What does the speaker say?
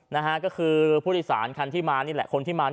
น่าฮะก็คือผู้โดยสารคนที่มานี่แหละ